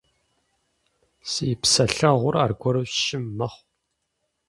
Си псэлъэгъур аргуэру щым мэхъу.